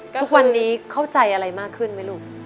ทุกวันนี้เข้าใจอะไรมากขึ้นไหมลูก